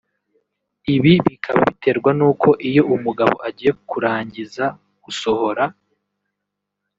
Ibi bikaba biterwa nuko iyo umugabo agiye kuranginza (gusohora)